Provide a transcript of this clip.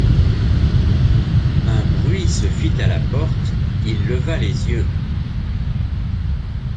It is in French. Un bruit se fit à la porte, il leva les yeux.